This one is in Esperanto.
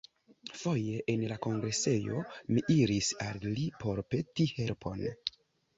Foje en la kongresejo mi iris al li por peti helpon.